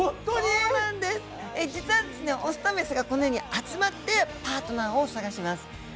オスとメスがこのように集まってパートナーを探します。